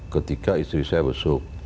ketika istri saya besok